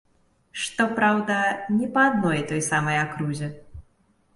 Што праўда, не па адной і той самай акрузе.